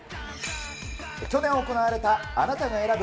去年行われたあなたが選ぶ！